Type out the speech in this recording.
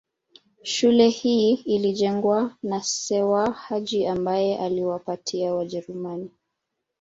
Shule hii ilijengwa na Sewa Haji ambaye aliwapatia Wajerumani